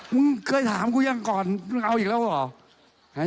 มึงเคยถามกูยังก่อนมึงเอาอีกแล้วเหรอ